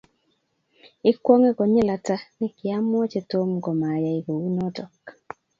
Ikwong'e konyil ata ni kiamwochi Tom komayai kou notok.